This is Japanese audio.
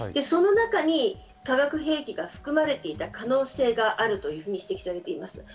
その中に化学兵器が含まれていた可能性があると指摘されています。